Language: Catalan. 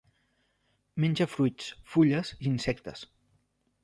Menja fruits, fulles i insectes.